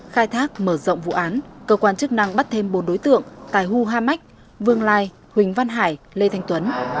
khai thác mở rộng vụ án cơ quan chức năng bắt thêm bốn đối tượng tài hu ha mách vương lai huỳnh văn hải lê thanh tuấn